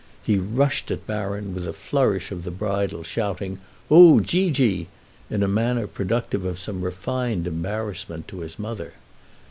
He rushed at Baron with a flourish of the bridle, shouting, "Ou geegee!" in a manner productive of some refined embarrassment to his mother.